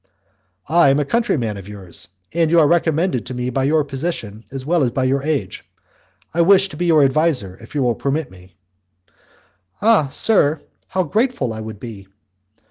"I am a countryman of yours, and you are recommended to me by your position as well as by your age; I wish to be your adviser, if you will permit me." "Ah, sir! how grateful I would be!"